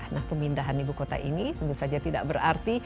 nah pemindahan ibu kota ini tentu saja tidak berarti